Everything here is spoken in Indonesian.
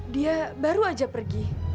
dia baru aja pergi